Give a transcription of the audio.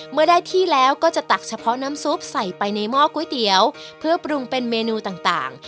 เมื่อได้ที่แล้วก็จะตักเฉพาะน้ำซุปใส่ไปในหม้อก๋วยเตี๋ยวเพื่อปรุงเป็นเมนูต่าง